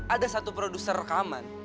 ada satu produser rekaman